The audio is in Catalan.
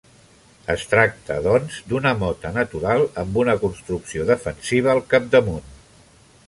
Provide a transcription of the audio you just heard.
Es tracta, doncs, d'una mota natural amb una construcció defensiva al capdamunt.